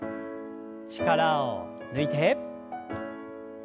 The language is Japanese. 力を抜いて。